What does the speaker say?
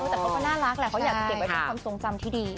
แต่เขาก็น่ารักแหละเขาอยากจะเก็บไว้เป็นความทรงจำที่ดี